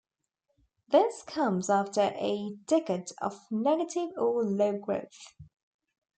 This comes after a decade of negative or low growth.